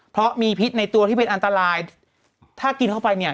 เพราะมีพิษในตัวที่เป็นอันตรายถ้ากินเข้าไปเนี่ย